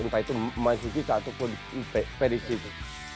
entah itu masuki ataupun peris itu